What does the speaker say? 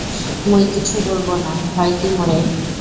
মুই কিছু বলবো না, ভয় কি মোরে?